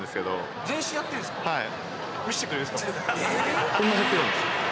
はい。